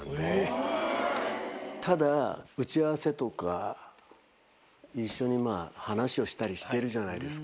ただ打ち合わせとか一緒に話をしたりしてるじゃないですか。